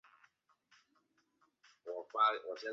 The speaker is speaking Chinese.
自在社提供生命领袖证书课程及自在成长工作坊。